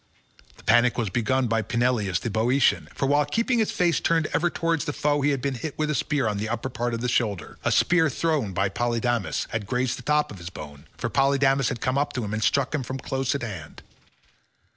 The panic was begun by Peneleos the Boeotian, for while keeping his face turned ever towards the foe he had been hit with a spear on the upper part of the shoulder; a spear thrown by Polydamas had grazed the top of the bone, for Polydamas had come up to him and struck him from close at hand.